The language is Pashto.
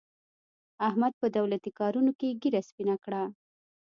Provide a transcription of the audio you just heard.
احمد په دولتي کارونو کې ږېره سپینه کړه.